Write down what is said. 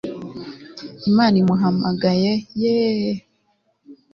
imana imuhamagaye, yeeee